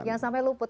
yang sampai luput